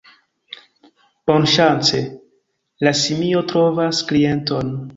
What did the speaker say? Bonŝance, la simio trovas klienton.